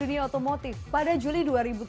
dunia otomotif pada juli dua ribu tujuh belas